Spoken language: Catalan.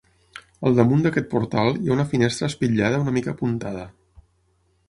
Al damunt d’aquest portal hi ha una finestra espitllada una mica apuntada.